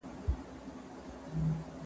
که څوک وايي چي د زړه مېنه سينه ده